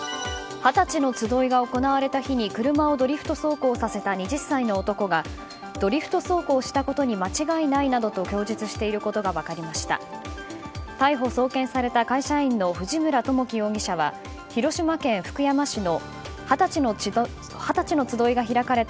二十歳の集いが行われた日に車をドリフト走行させた２０歳の男がドリフト走行したことに間違いないと供述していることが分かりました。